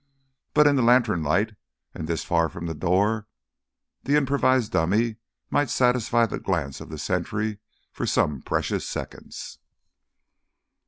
But in the lantern light and this far from the door, the improvised dummy might satisfy the glance of the sentry for some precious seconds.